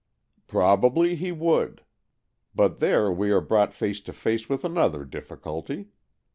" Probably he would. But there we are brought face to face with another difficulty.